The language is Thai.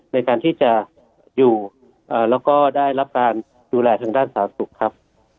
ในการที่จะอยู่แล้วก็ได้รับการดูแลทางด้านสาธารณสุขครับ